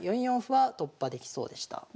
４四歩は突破できそうでした。